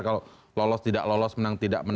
kalau lolos tidak lolos menang tidak menang